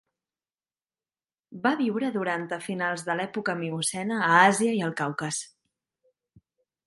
Va viure durant a finals de l'època miocena a Àsia i el Caucas.